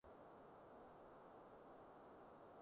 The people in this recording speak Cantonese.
拜託她七時半下樓給我開門